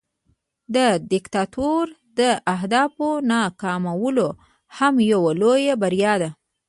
د دیکتاتور د اهدافو ناکامول هم یوه لویه بریا ده.